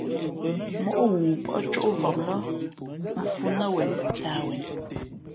Móʼ ghoo pάʼ cóʼvam lά mfhʉ̄ nά wen ntāh wen.